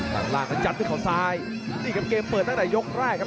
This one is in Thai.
ทางล่างกระจัดที่เขาซ้ายที่เหมือนเกมเปิดตั้งแต่ยกแรกครับ